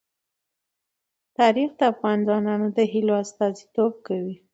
تاریخ د افغان ځوانانو د هیلو استازیتوب کوي.